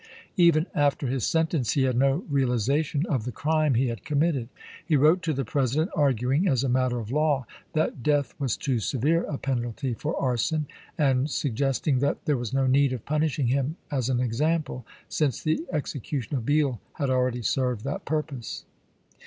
Even after his sentence he had no realization of the crime he had committed. He wrote to the Presi dent, arguing, as a matter of law, that death was too severe a penalty for arson, and suggesting that there was no need of punishing him as an example, since the execution of Beall had already served that purpose.